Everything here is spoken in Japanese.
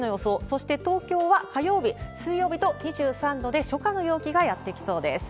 そして、東京は火曜日、水曜日と２３度で、初夏の陽気がやって来そうです。